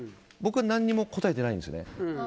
僕は何も答えてないんですよ。